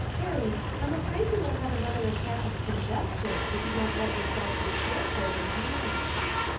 Perry, I'm afraid you will have another attack of con gestion if you don't let yourself be cared for in time."